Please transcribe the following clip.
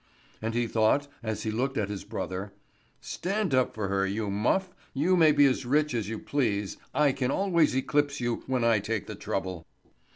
And he thought as he looked at his brother: "Stand up for her, you muff. You may be as rich as you please, I can always eclipse you when I take the trouble."